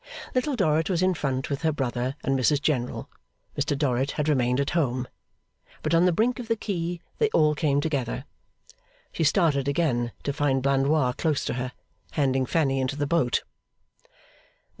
Little Dorrit was in front with her brother and Mrs General (Mr Dorrit had remained at home), but on the brink of the quay they all came together. She started again to find Blandois close to her, handing Fanny into the boat.